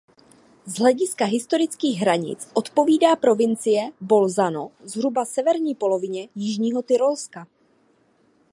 Z hlediska historických hranic odpovídá provincie Bolzano zhruba severní polovině Jižního Tyrolska.